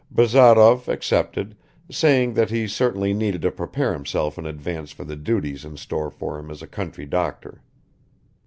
Bazarov accepted, saying that he certainly needed to prepare himself in advance for the duties in store for him as a country doctor.